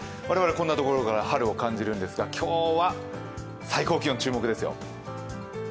我々、こんなところから春を感じるんですが今日は最高気温、注目ですよ。